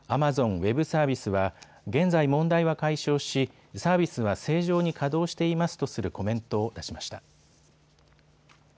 ウェブサービスは現在、問題は解消しサービスは正常に稼働していますとするコメントを出しました。